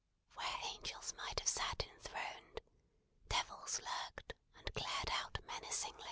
Where angels might have sat enthroned, devils lurked, and glared out menacing.